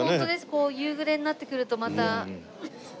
こう夕暮れになってくるとまた。